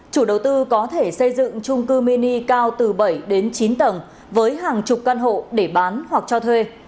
chủ đầu tư có thể xây dựng trung cư mini cao từ bảy đến chín tầng với hàng chục căn hộ để bán hoặc cho thuê